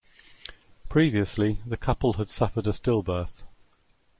Previously, the couple had suffered a stillbirth.